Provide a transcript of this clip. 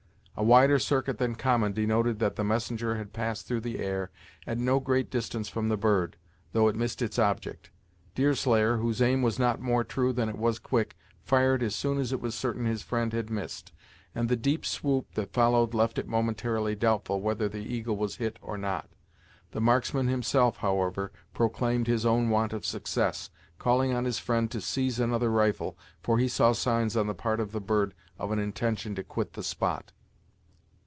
A wider circuit than common denoted that the messenger had passed through the air at no great distance from the bird, though it missed its object. Deerslayer, whose aim was not more true than it was quick, fired as soon as it was certain his friend had missed, and the deep swoop that followed left it momentarily doubtful whether the eagle was hit or not. The marksman himself, however, proclaimed his own want of success, calling on his friend to seize another rifle, for he saw signs on the part of the bird of an intention to quit the spot.